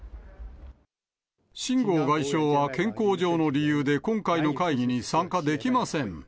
秦剛外相は健康上の理由で今回の会議に参加できません。